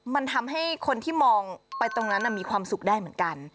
มันทำให้คนที่มองไปตรงนั้นมีความสุขได้เหมือนกัน